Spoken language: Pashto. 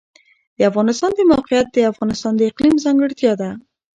د افغانستان د موقعیت د افغانستان د اقلیم ځانګړتیا ده.